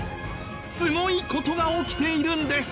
すごい事が起きているんです。